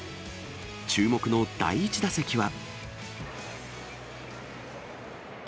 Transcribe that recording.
注目の第１打席は。